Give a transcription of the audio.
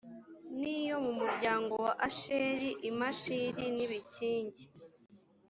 n iyo mu muryango wa asheri i mashali n ibikingi